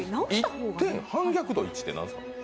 反逆度１って何ですか？